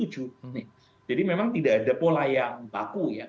jadi memang tidak ada pola yang baku ya